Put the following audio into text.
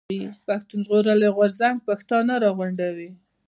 پښتون ژغورني غورځنګ پښتانه راغونډوي.